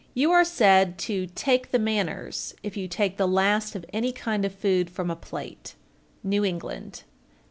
You are said to "take the manners" if you take the last of any kind of food from a plate. _New England.